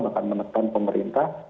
bahkan menekan pemerintah